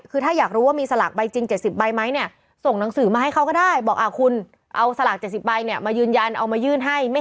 คือถ้าอยากรู้ว่ามีสลากใบจริง๗๐ใบไม๊